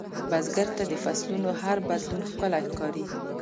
بزګر ته د فصلونـو هر بدلون ښکلی ښکاري